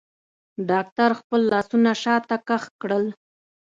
ډاکتر خپل لاسونه شاته کښ کړل.